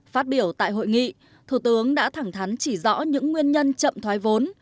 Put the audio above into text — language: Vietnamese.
phát biểu tại hội nghị thủ tướng đã thẳng thắn chỉ rõ những nguyên nhân chậm thoái vốn